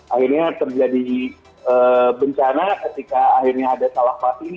akhirnya terjadi bencana ketika akhirnya ada salah vaksin